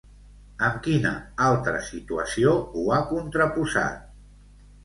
Amb quina altra situació ho ha contraposat?